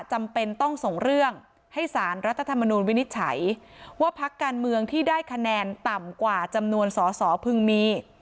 จำเป็นต้องส่งเรื่องให้สารรัฐธรรมนูลวินิจฉัยว่าพักการเมืองที่ได้คะแนนต่ำกว่าจำนวนสอสอพึงมี